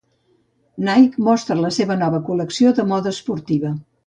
Nike mostra la seva nova col·lecció de moda esportiva.